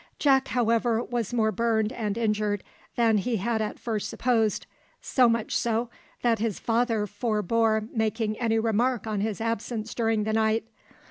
Jack, however, was more burned and injured than he had at first supposed; so much so, that his father forbore making any remark on his absence during the night.